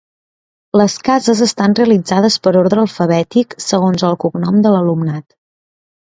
Les cases estan realitzades per ordre alfabètic, segons el cognom de l'alumnat.